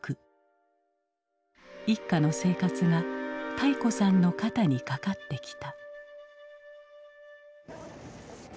一家の生活が泰子さんの肩にかかってきた。